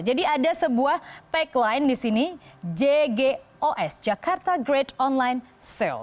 jadi ada sebuah tagline di sini jgos jakarta great online sale